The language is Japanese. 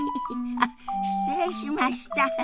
あっ失礼しました。